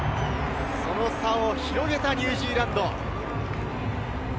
その差を広げたニュージーランド。